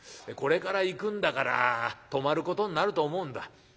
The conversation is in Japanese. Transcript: これから行くんだから泊まることになると思うんだ。